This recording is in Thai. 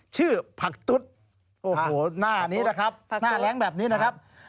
ชื่อผักตุ๊ดโอ้โหหน้านี้นะครับหน้าแรงแบบนี้นะครับ